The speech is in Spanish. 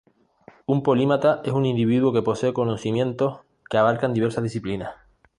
Un "polímata" es un individuo que posee conocimientos que abarcan diversas disciplinas.